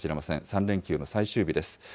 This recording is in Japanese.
３連休の最終日です。